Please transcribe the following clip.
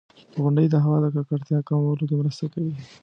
• غونډۍ د هوا د ککړتیا کمولو کې مرسته کوي.